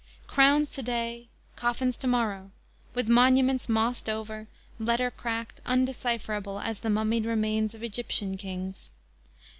Crowns to day, coffins to morrow, with monuments Mossed over, letter cracked, undecipherable As the mummied remains of Egyptian Kings.